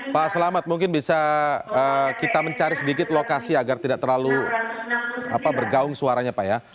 pak selamat mungkin bisa kita mencari sedikit lokasi agar tidak terlalu bergaung suaranya pak ya